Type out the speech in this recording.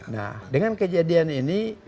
nah dengan kejadian ini